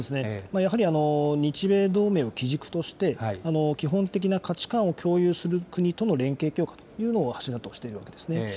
やはり日米同盟を基軸として、基本的な価値観を共有する国との連携強化というのを柱としているわけですね。